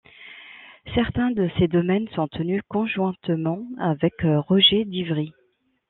Certains de ses domaines sont tenus conjointement avec Roger d'Ivry.